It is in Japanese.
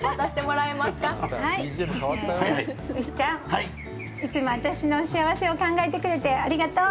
うしちゃん、いつも私の幸せを考えてくれてありがとう。